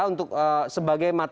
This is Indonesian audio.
untuk sebagai matematika